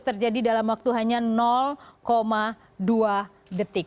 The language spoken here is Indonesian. terjadi dalam waktu hanya dua detik